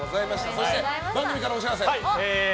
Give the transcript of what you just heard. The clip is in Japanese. そして番組からお知らせです。